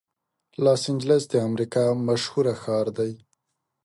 لاس انجلس د امریکا مشهور ښار دی.